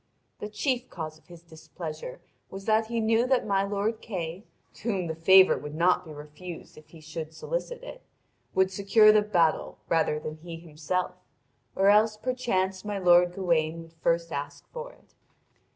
The chief cause of his displeasure was that he knew that my lord Kay, to whom the favour would not be refused if he should solicit it, would secure the battle rather than he himself, or else perchance my lord Gawain would first ask for it.